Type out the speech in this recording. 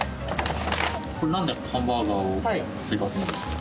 これなんでハンバーガーを追加するんですか？